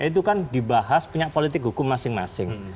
itu kan dibahas punya politik hukum masing masing